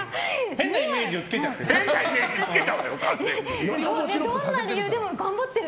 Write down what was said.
変なイメージをつけちゃってる。